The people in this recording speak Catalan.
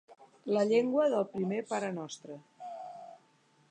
La llengua del primer parenostre.